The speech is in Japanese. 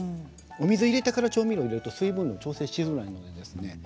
お水を入れてから調味料を入れると水分が調整しづらいですね。